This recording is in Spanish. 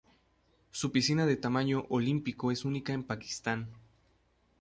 Su piscina de tamaño olímpico es única en Pakistán.